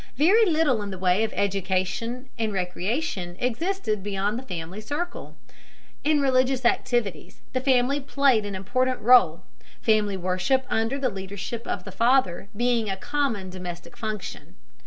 Very little in the way of education and recreation existed beyond the family circle. In religious activities the family played an important role, family worship under the leadership of the father being a common domestic function.